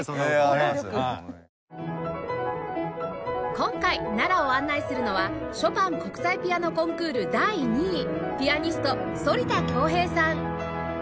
今回奈良を案内するのはショパン国際ピアノコンクール第２位ピアニスト反田恭平さん